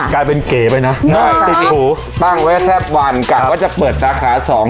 กลายเป็นเกย์ไปนะอ๋อติดถูกตั้งไว้แซ่บวันกลางว่าจะเปิดราคาสอง